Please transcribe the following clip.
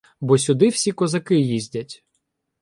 — Бо сюди всі козаки їздять.